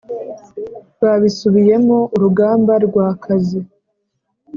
babisubiyemo urugamba rwakaze